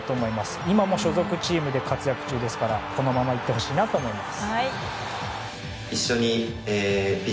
今も所属チームで活躍中ですからこのまま行ってほしいなと思います。